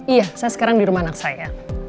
iya saya sekarang di rumah anak saya